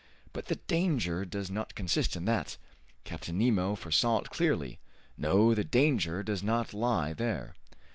But the danger does not consist in that! Captain Nemo foresaw it clearly! No, the danger does not lie there!"